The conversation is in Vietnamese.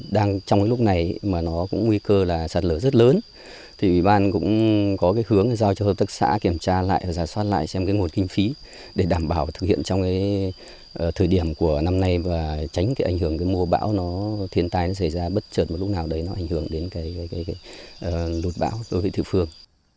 đang trong cái lúc này mà nó cũng nguy cơ là sạt lở rất lớn thì ủy ban cũng có cái hướng giao cho hợp tác xã kiểm tra lại và giả soát lại xem cái nguồn kinh phí để đảm bảo thực hiện trong cái thời điểm của năm nay và tránh cái ảnh hưởng cái mùa bão nó thiên tai nó xảy ra bất chợt một lúc nào đấy nó ảnh hưởng đến cái lụt bão đối với thị phương